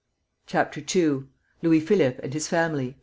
CHAPTER II. LOUIS PHILIPPE AND HIS FAMILY.